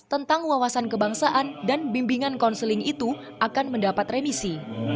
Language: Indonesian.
tentang wawasan kebangsaan dan bimbingan konseling itu akan mendapat remisi